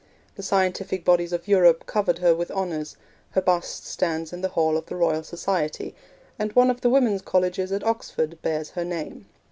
The scientific bodies of Europe covered her with honours; her bust stands in the hall of the Royal Society, and one of the Women's Colleges at Oxford bears her name.